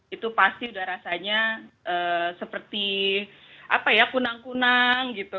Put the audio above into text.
itu pasti udah rasanya seperti kunang kunang gitu